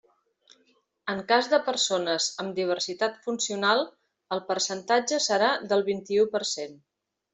En cas de persones amb diversitat funcional el percentatge serà del vint-i-u per cent.